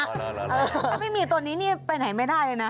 เออแล้วแล้วแล้วไม่มีตัวนี้นี่ไปไหนไม่ได้นะ